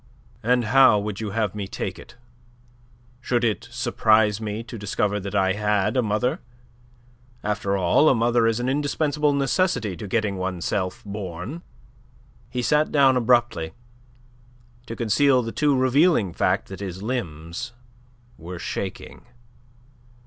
"And how would you have me take it? Should it surprise me to discover that I had a mother? After all, a mother is an indispensable necessity to getting one's self born." He sat down abruptly, to conceal the too revealing fact that his limbs were shaking.